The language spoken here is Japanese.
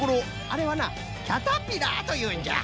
あれはなキャタピラーというんじゃ。